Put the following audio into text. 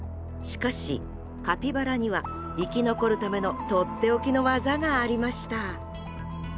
しかしカピバラには生き残るための取って置きの技がありました。